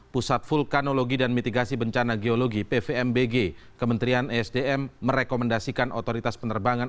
pusat vulkanologi dan mitigasi bencana geologi pvmbg kementerian esdm merekomendasikan otoritas penerbangan